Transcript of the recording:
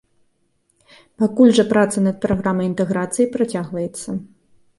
Пакуль жа праца над праграмай інтэграцыі працягваецца.